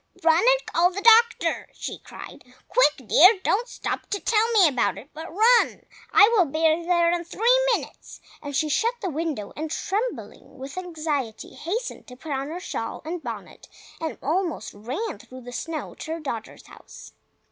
"Run and call the doctor!" she cried. "Quick, dear! Don't stop to tell me about it, but run! I will be there in three minutes!" And she shut the window, and trembling with anxiety, hastened to put on her shawl and bonnet, and almost ran through the snow to her daughter's house.